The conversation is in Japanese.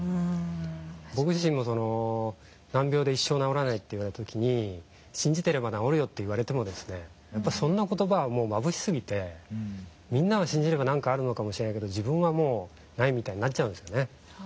僕自身も難病で一生治らないって言われた時に「信じてれば治るよ」と言われてもそんな言葉はもうまぶしすぎて「みんなは信じれば何かあるのかもしれないけど自分はもうない」みたいになっちゃうんですよね。